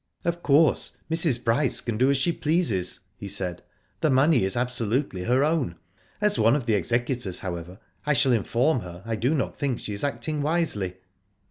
"Of course, Mrs. Bryce can do as she pleases," he said, '*the money is absolutely her own. As one of the executors, however, I shall inform her I do not think she is acting wisely."